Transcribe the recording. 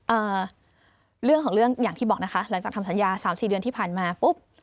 เอ่อเรื่องของเรื่องอย่างที่บอกนะคะหลังจากทำสัญญาสามสี่เดือนที่ผ่านมาปุ๊บ